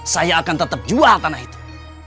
saya akan tetep jual karena itu